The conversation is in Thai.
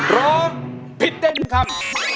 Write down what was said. รถผิดเต้นครับ